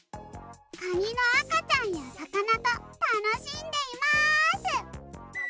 カニのあかちゃんやさかなとたのしんでいます！